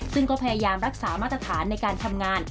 ซึ่งก็พยายามรักษามาตรฐานในการทำงาน